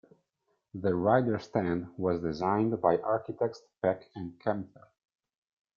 The Ryder Stand was designed by architects Peck and Kemter.